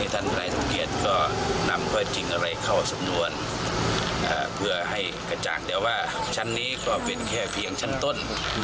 ตอนนี้ก็เป็นแค่เพียงชั้นต้น